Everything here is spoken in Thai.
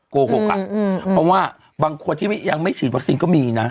โกหกอ่ะเพราะว่าบางคนที่ยังไม่ฉีดวัคซีนก็มีนะ